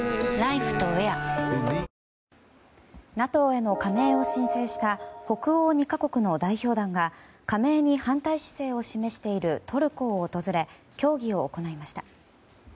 ＮＡＴＯへの加盟を申請した北欧２か国の代表団が加盟に反対姿勢を示しているトルコを訪れ協議を行いました。